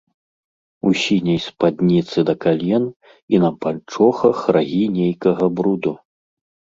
У сіняй спадніцы да кален, і на панчохах рагі нейкага бруду.